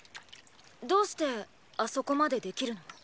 どうしてあそこまでできるの？